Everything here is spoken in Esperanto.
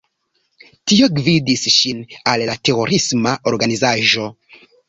Tio gvidis ŝin al la terorisma organizaĵo.